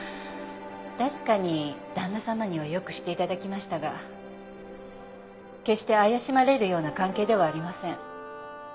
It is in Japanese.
確かに旦那様には良くして頂きましたが決して怪しまれるような関係ではありません。